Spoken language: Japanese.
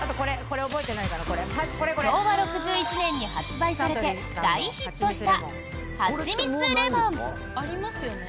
昭和６１年に発売されて大ヒットした、はちみつレモン。